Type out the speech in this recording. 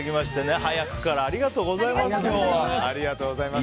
早くからありがとうございます今日は。